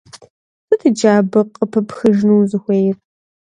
Сыт иджы абы къыпыпхыжыну узыхуейр?